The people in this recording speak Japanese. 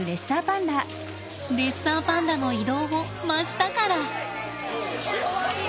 レッサーパンダの移動を真下から！